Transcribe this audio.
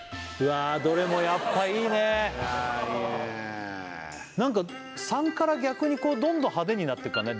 わどれもやっぱいいねいやいいねなんか③から逆にどんどん派手になってかない？